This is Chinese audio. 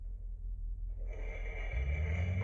范惟悠是太平省太宁府琼瑰县同直总芹泮社出生。